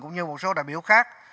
cũng như một số đại biểu khác